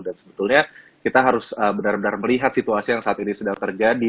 dan sebetulnya kita harus benar benar melihat situasi yang saat ini sudah terjadi